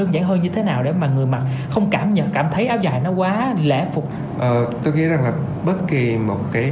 tôi nghĩ rằng là bất kỳ một cái